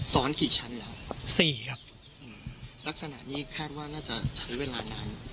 ซ้อนกี่ชั้นเราบอบสี่ครับรักษณะนี้แค้นว่าน่าจะใช้เวลานาน